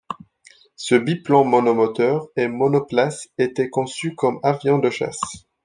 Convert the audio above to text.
Ce biplan monomoteur et monoplace était conçu comme avion de chasse.